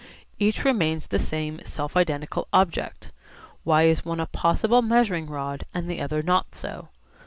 Each remains the same self identical object. Why is one a possible measuring rod and the other not so?